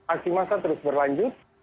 aksi masa terus berlanjut